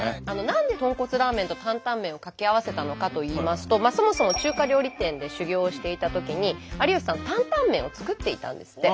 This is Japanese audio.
何で豚骨ラーメンとタンタン麺を掛け合わせたのかといいますとそもそも中華料理店で修業をしていたときに有吉さんタンタン麺を作っていたんですって。